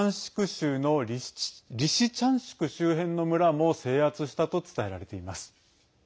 州のリシチャンシク周辺の村も制圧したと伝えられています。